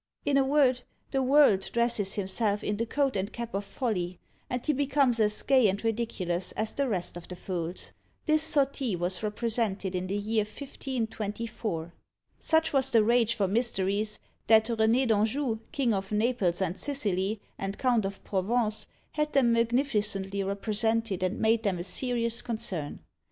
In a word, the World dresses himself in the coat and cap of Folly, and he becomes as gay and ridiculous as the rest of the fools. This Sottie was represented in the year 1524. Such was the rage for Mysteries, that René d'Anjou, king of Naples and Sicily, and Count of Provence, had them magnificently represented and made them a serious concern.